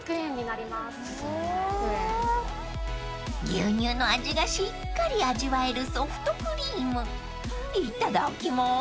［牛乳の味がしっかり味わえるソフトクリームいただきます］